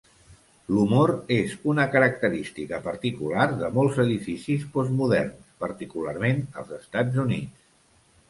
L'humor és una característica particular de molts edificis postmoderns, particularment als Estats Units.